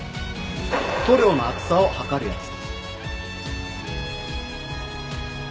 塗料の厚さを測るやつ。